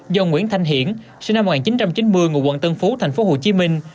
do nguyễn thanh hiển sinh năm một nghìn chín trăm chín mươi ngụ quận tân phú thành phố hồ chí minh